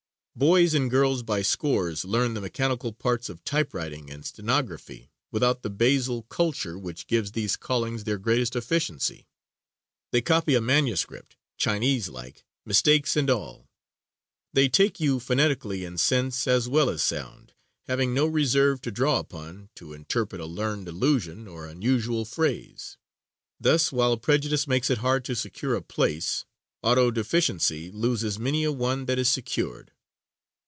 Boys and girls by scores learn the mechanical parts of type writing and stenography without the basal culture which gives these callings their greatest efficiency. They copy a manuscript, Chinese like, mistakes and all; they take you phonetically in sense as well as sound, having no reserve to draw upon to interpret a learned allusion or unusual phrase. Thus while prejudice makes it hard to secure a place, auto deficiency loses many a one that is secured.